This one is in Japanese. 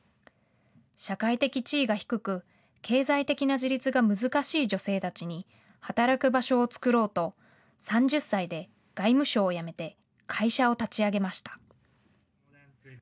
社会的地位が低く経済的な自立が難しい女性たちに働く場所を作ろうと３０歳で外務省を辞めて会社を立ち上げました。